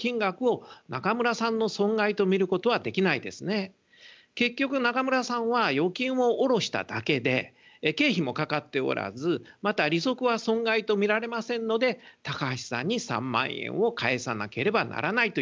しかし利息についてはですね結局中村さんは預金を下ろしただけで経費もかかっておらずまた利息は損害とみられませんので高橋さんに３万円を返さなければならないという結論になります。